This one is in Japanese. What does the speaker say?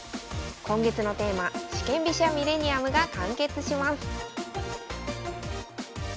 今月のテーマ四間飛車ミレニアムが完結します